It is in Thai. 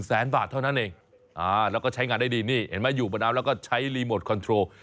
แล้วก็ใช้งานได้ดีนี่เห็นไหมอยู่บนน้ำแล้วก็ใช้รีโมทคอนโทรล